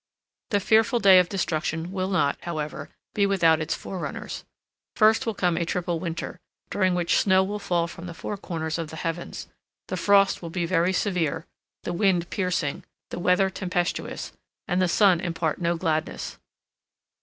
The fearful day of destruction will not, however, be without its forerunners. First will come a triple winter, during which snow will fall from the four corners of the heavens, the frost be very severe, the wind piercing, the weather tempestuous, and the sun impart no gladness.